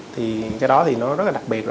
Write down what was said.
thì cái đó thì nó rất là đặc biệt